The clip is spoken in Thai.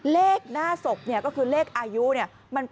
เลขหน้าศพเนี่ยก็คือเลขอายุเนี่ย